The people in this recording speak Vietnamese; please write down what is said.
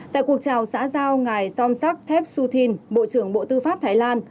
tại cuộc trào xã giao ngày xong sắc thép xu thìn bộ trưởng bộ tư pháp thái lan